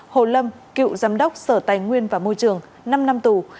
hồ lâm cựu giám đốc sở tài nguyên và môi trường năm năm tù